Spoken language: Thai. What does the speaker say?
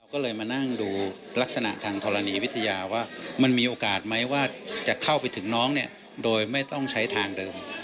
ก็เลยมานั่งดูลักษณะทางธรณีวิทยาว่ามันมีโอกาสไหมว่าจะเข้าไปถึงน้องเนี่ยโดยไม่ต้องใช้ทางเดิม